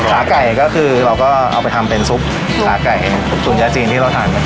ขาไก่ก็คือเราก็เอาไปทำเป็นซุปขาไก่ตุ๋นยาจีนที่เราทาน